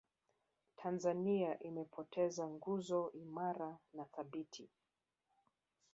tanzania imepoteza nguzo imara na thabiti